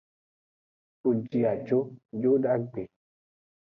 Wo ji ajo jodagbe.